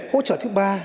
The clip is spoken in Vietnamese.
hỗ trợ thứ ba